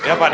ya pak d